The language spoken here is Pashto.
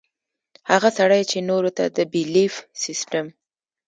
هغه سړے چې نورو ته د بيليف سسټم